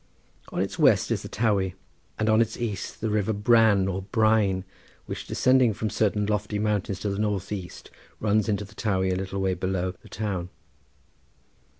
On its west is the Towey, and on its east the river Bran or Brein, which descending from certain lofty mountains to the north east runs into the Towey a little way below the town.